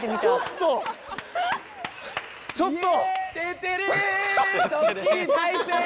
ちょっと！